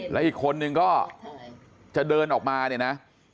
แล้วอีกคนนึงก็จะเดินออกมาเนี่ยนะ